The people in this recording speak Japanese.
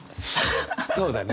そうだね。